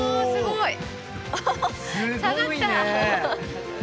すごい。